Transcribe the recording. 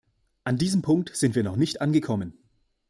An diesem Punkt sind wir noch nicht angekommen.